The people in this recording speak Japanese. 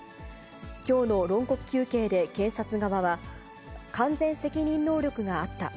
きょうの論告求刑で検察側は、完全責任能力があった。